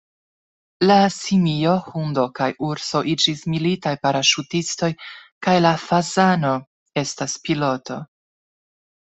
La simio, hundo kaj urso iĝis militaj paraŝutistoj kaj la fazano estas piloto.